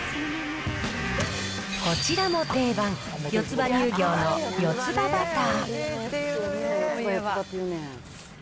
こちらも定番、よつ葉乳業のよつ葉バター。